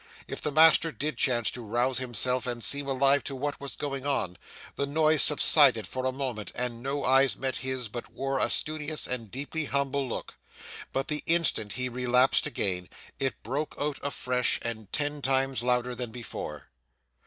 If the master did chance to rouse himself and seem alive to what was going on, the noise subsided for a moment and no eyes met his but wore a studious and a deeply humble look; but the instant he relapsed again, it broke out afresh, and ten times louder than before.